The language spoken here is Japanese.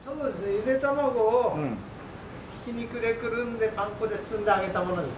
ゆで卵をひき肉でくるんでパン粉で包んで揚げたものです。